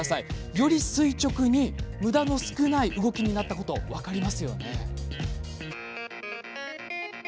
より垂直にむだの少ない動きになっていますよね。